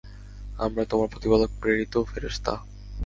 আমরা তোমার প্রতিপালক প্রেরিত ফেরেশতা।